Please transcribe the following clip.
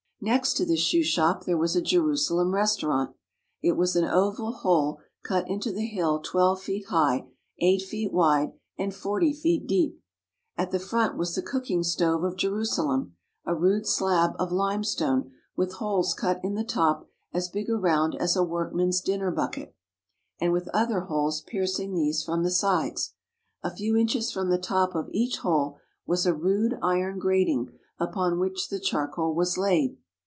Next to this shoe shop there was a Jerusalem restau rant. It was an oval hole cut into the hill twelve feet high, eight feet wide, and forty feet deep. At the front was the cooking stove of Jerusalem, a rude slab of lime stone with holes cut in the top as big around as a work man's dinner bucket, and with other holes piercing these from the sides. A few inches from the top of each hole was a rude iron grating upon which the charcoal was laid.